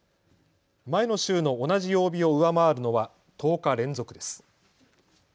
前の週の同じ曜日を上回るのは１０日連続です。